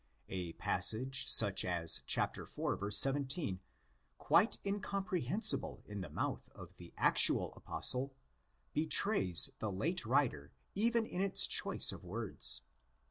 A passage such as iv. 17, quite incomprehensible in the mouth of the actual Apostle, betrays the late writer even in its choice of words.